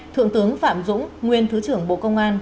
thượng tướng phạm dũng nguyên thứ trưởng bộ công an